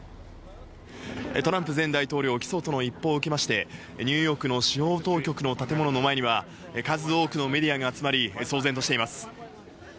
トランプ前大統領、起訴との一報を受けまして、ニューヨークの司法当局の建物の前には、数多くのメディアが集まり、騒然としています。